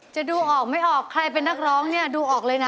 จะดูออกไม่ออกใครเป็นนักร้องเนี่ยดูออกเลยนะ